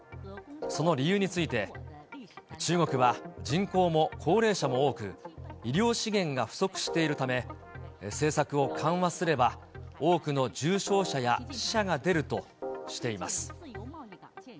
その理由について、中国は人口も高齢者も多く、医療資源が不足しているため、政策を緩和すれば、多くの重症者や死者が出るとしています。